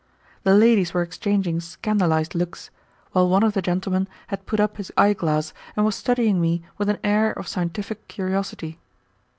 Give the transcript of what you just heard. The ladies were exchanging scandalized looks, while one of the gentlemen had put up his eyeglass and was studying me with an air of scientific curiosity.